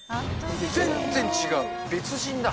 全然違う、別人だ。